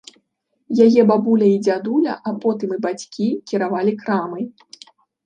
Яе бабуля і дзядуля, а потым і бацькі кіравалі крамай.